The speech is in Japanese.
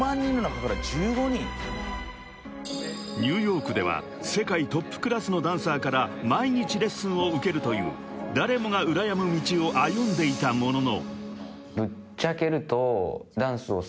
［ニューヨークでは世界トップクラスのダンサーから毎日レッスンを受けるという誰もがうらやむ道を歩んでいたものの］